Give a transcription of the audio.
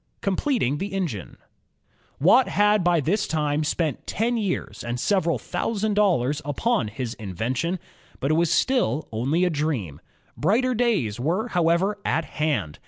Completing the Engine Watt had by this time spent ten years and several thousand dollars upon his in vention, but it was THE ENGINE BEELZEBUB, 1767 gtiU only a dream. Brighter days were, however, at hand.